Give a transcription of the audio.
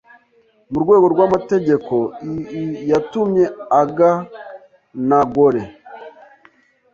Mu rwego rw’amategeko ii yatumye aga n’agore